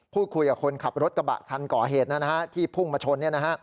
พูดคุยกับคนขับรถกระบะคันก่อเหตุนะฮะที่พุ่งมาชน